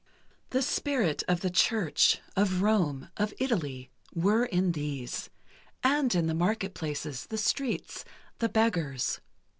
the spirit of the Church, of Rome, of Italy, were in these—and in the market places, the streets, the beggars